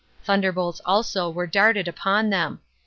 Thunderbolts also were darted upon them.